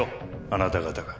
あなた方が。